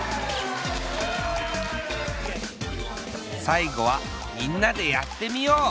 さいごはみんなでやってみよう！